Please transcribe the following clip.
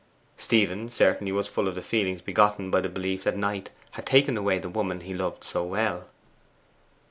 Stephen certainly was full of the feelings begotten by the belief that Knight had taken away the woman he loved so well.